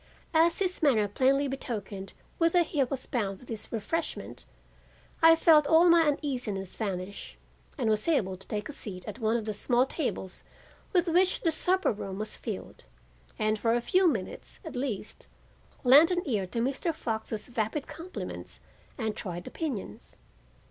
As his manner plainly betokened whither he was bound with this refreshment, I felt all my uneasiness vanish, and was able to take my seat at one of the small tables with which the supper room was filled, and for a few minutes, at least, lend an ear to Mr. Fox's vapid compliments and trite opinions.